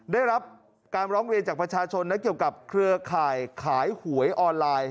ได้รับการร้องเรียนจากประชาชนนะเกี่ยวกับเครือข่ายขายหวยออนไลน์